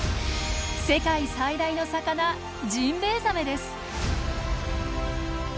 世界最大の魚ジンベエザメです！